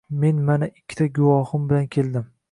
Men mana ikkita guvohim bilan keldim.